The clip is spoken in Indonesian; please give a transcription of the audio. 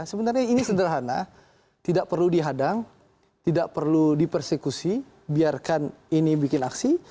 sebenarnya ini sederhana tidak perlu dihadang tidak perlu dipersekusi biarkan ini bikin aksi